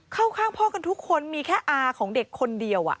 เข้าข้างพ่อกันทุกคนมีแค่อาของเด็กคนเดียว